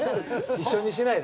一緒にしないで。